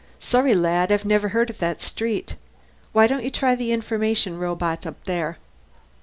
"Sorry, lad. I've never heard of that street. Why don't you try the information robot up there?"